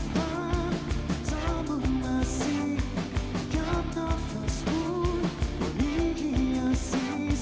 maafkanlah aku selama ini